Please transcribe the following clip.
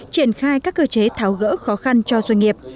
triển khai các cơ chế tháo gỡ khó khăn cho doanh nghiệp